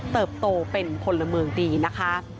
เติบโตเป็นพลเมืองดีนะคะ